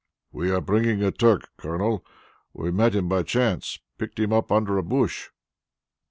"We are bringing a Turk, Colonel. We met him by chance picked him up under a bush."